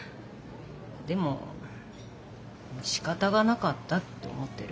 でもしかたがなかったって思ってる。